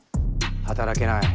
働けない